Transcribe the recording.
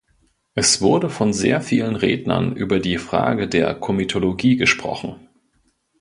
Es wurde von sehr vielen Rednern über die Frage der Komitologie gesprochen.